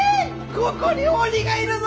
ここに鬼がいるぞ！